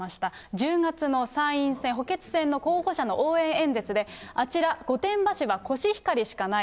１０月の参院選、補欠選の候補者の応援演説で、あちら、御殿場市はコシヒカリしかない。